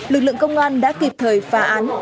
lực lượng công an đã kịp thời phá án